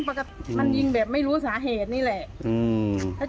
วันหมายิงแบบไม่รู้สาเหตุนี้แหละหนึ่ง